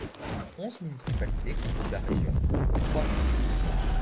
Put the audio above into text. Onze municipalités composent la région, dont trois villes.